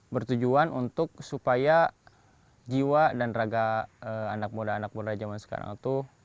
bertujuan untuk supaya jiwa dan raga anak muda anak muda zaman sekarang itu